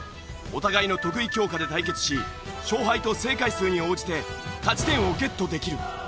お互いの得意教科で対決し勝敗と正解数に応じて勝ち点をゲットできる。